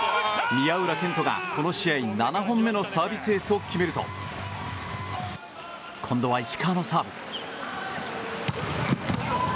宮浦健人がこの試合７本目のサービスエースで決めると今度は石川のサーブ。